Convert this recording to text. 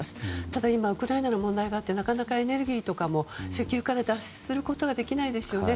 ただ、今はウクライナの問題でなかなかエネルギーとかも石油から脱することができないですよね。